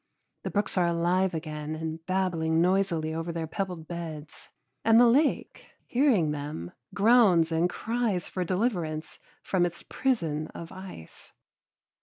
The brooks are alive again and babbling noisily over their pebbled beds, and the lake, hearing them, groans and cries for deliverance from its prison of ice.